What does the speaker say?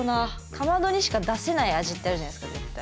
かまどにしか出せない味ってあるじゃないですか絶対。